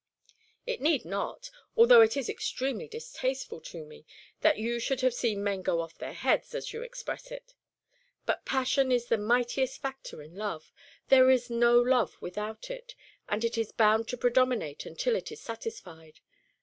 "It need not although it is extremely distasteful to me that you should have seen men go off their heads, as you express it. But passion is the mightiest factor in love; there is no love without it, and it is bound to predominate until it is satisfied.